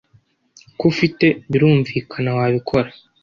Ko ufite birumvikana wabikora